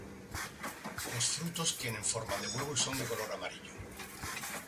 Los frutos tienen forma de huevo y son de color amarillo.